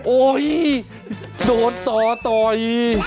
โอ๊ยโดดต่อต่อย